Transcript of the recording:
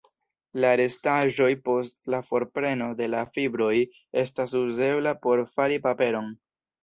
La restaĵoj post la forpreno de la fibroj estas uzebla por fari paperon.